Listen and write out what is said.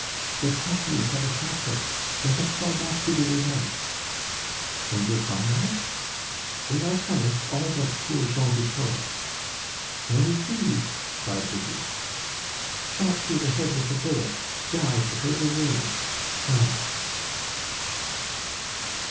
"The Prussians have attacked us, let us fall back to the redoubt." "And your comrades?" "They are coming all but poor Jean Victor." "Where is he?" cried the duke. "Shot through the head with a bullet died without a word! ough!"